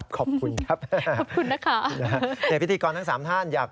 แล้วคุณผู้ชมก็ส่งไลน์มา